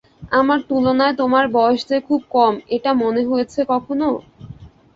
আমার তুলনায় তোমার বয়স যে খুব কম এটা মনে হয়েছে কখনো?